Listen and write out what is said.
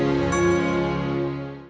aku mau ke rumah